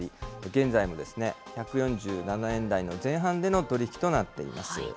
現在も、１４７円台の前半での取り引きとなっています。